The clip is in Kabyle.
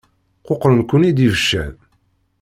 Quqṛen-ken-id ibeccan.